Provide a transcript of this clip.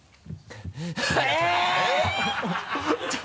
えっ！？